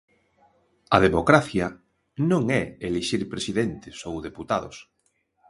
A democracia non é elixir presidentes ou deputados.